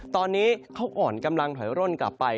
ตอนนี้เขาอ่อนกำลังถอยร่นกลับไป